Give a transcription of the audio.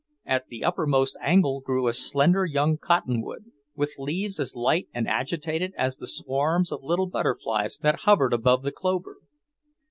At the uppermost angle grew a slender young cottonwood, with leaves as light and agitated as the swarms of little butterflies that hovered above the clover.